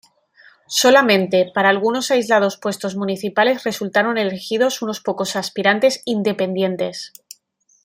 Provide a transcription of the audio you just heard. Solamente para algunos aislados puestos municipales resultaron elegidos unos pocos aspirantes independientes.